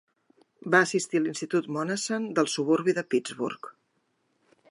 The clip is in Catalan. Va assistir a l'Institut Monessen del suburbi de Pittsburgh.